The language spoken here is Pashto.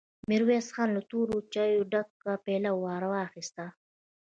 ميرويس خان له تورو چايو ډکه پياله ور واخيسته.